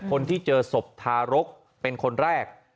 คนที่เจอศพทารกเป็นคนแรก